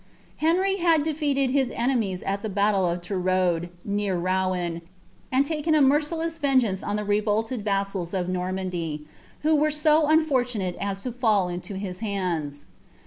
Henrj had defeated his enemies at the battle of Terroude, near Kouen, and laken * merciless vengeance on the revolted vassals o( Normandy, who wtrre h unfortunate as to fall into his hands.